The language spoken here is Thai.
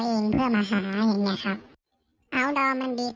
ไม่ต้องเสียเวลาหาตามสื่ออย่างนี้ครับ